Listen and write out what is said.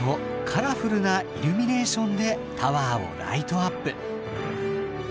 カラフルなイルミネーションでタワーをライトアップ。